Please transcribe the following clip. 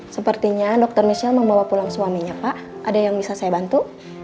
sepertinya dokter michelle membawa pulang suaminya pak ada yang bisa saya bantu